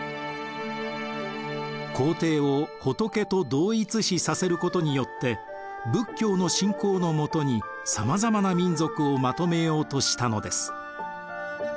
皇帝を仏と同一視させることによって仏教の信仰のもとにさまざまな民族をまとめようとしたのです。